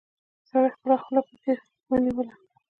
سړي خپله خوله پکې ونيوله.